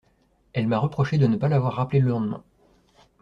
Elle m'a reproché de ne pas l'avoir rappelée le lendemain.